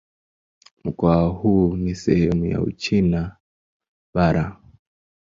Mkoa huu ni sehemu ya Uchina Bara.